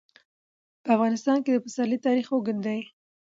په افغانستان کې د پسرلی تاریخ اوږد دی.